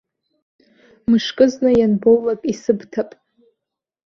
Мышкызны, ианбоулак, исыбҭап.